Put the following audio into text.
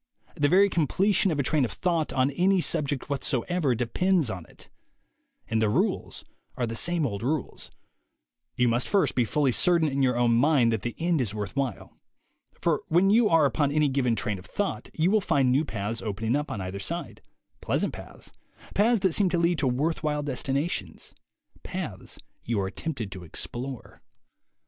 The very completion of a train of thought on any subject whatsoever depends upon it. And the rules are the same old rules. You must first be fully certain in your own mind that the end is worth while. For when you are upon any given train of thought, you will find new paths opening up on either side, pleasant paths, paths that seem to lead to worth while destinations, paths you are tempted to explore.